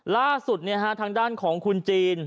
ล่าสุดเนี่ยฮะทางด้านของคุณจีน